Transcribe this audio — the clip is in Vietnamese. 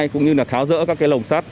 cũng như là tháo rỡ các cái lồng sắt